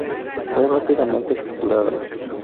Fue rápidamente capturada.